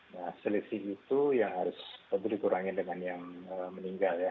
nah selisih itu yang harus tentu dikurangi dengan yang meninggal ya